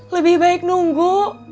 lebih baik nunggu